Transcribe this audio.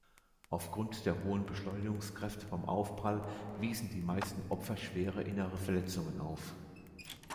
Aufgrund der hohen Beschleunigungskräfte beim Aufprall wiesen die meisten Opfer schwere innere Verletzungen auf.